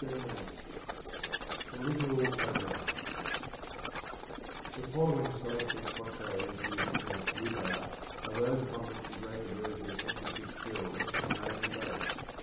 44 THE LITERAL OMAR The following selecled quatrains of the 0mar original" Rub a iy at" are those upon which the great version of Edward FitzGer aid was mainly based.